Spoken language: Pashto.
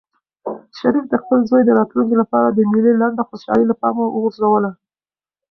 شریف د خپل زوی د راتلونکي لپاره د مېلې لنډه خوشحالي له پامه وغورځوله.